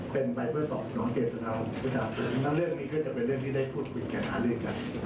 เป็นไปเพื่อส่องสนองเกษตรภัณฑ์ของประชาชนิดหน้าเรื่องนี้ก็จะเป็นเรื่องที่ได้พูดคุณแก่งหน้าด้วยกัน